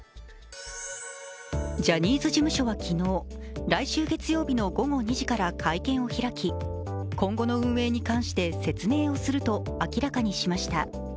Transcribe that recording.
ジャニーズ事務所は昨日、来週月曜日の午後２時から会見を開き今後の運営に関して説明をすると明らかにしました。